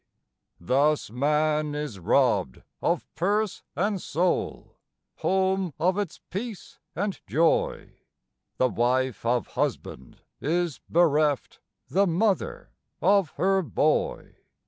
Thus man is robbed of purse and soul, home of its peace and joy; The wife of husband is bereft, the mother of her boy.